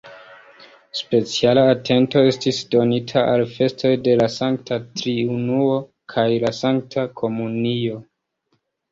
Speciala atento estis donita al festoj de la Sankta Triunuo kaj la Sankta Komunio.